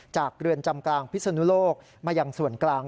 เรือนจำกลางพิศนุโลกมายังส่วนกลาง